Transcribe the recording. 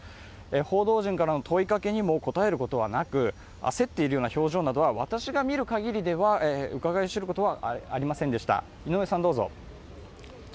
報道陣からの問いかけにも答えることはなく焦っているような表情は私が見る限りでは、うかがい知ることはありませんでした。